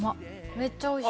めっちゃおいしい。